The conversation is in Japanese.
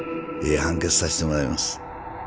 判決さしてもらいます